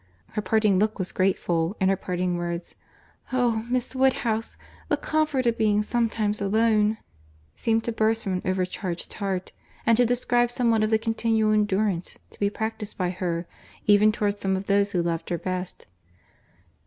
Her parting look was grateful—and her parting words, "Oh! Miss Woodhouse, the comfort of being sometimes alone!"—seemed to burst from an overcharged heart, and to describe somewhat of the continual endurance to be practised by her, even towards some of those who loved her best.